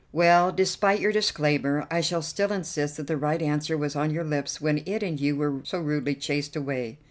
"Well, despite your disclaimer, I shall still insist that the right answer was on your lips when it and you were so rudely chased away."